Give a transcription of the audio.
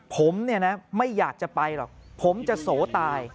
ผมเนี่ยนะไม่อยากจะไปหรอกผมจะโสตาย